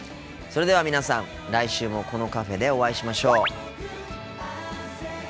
それでは皆さん来週もこのカフェでお会いしましょう。